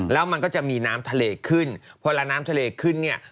แล้วมันก็จะมีน้ำทะเลขึ้นพอละน้ำทะเลขึ้นเนี่ย